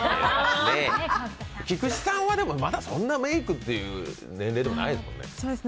菊池さんはまだそんなメークっていう年齢でないですね。